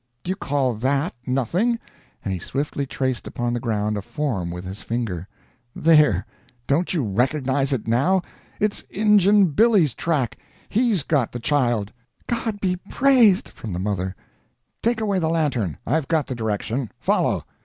Do you call that nothing?" and he swiftly traced upon the ground a form with his finger. "There don't you recognize it now? It's Injun Billy's track. He's got the child." "God be praised!" from the mother. "Take away the lantern. I've got the direction. Follow!"